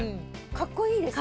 かっこいいです。